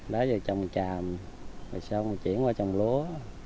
nói về trồng trà rồi xong chuyển qua trồng lúa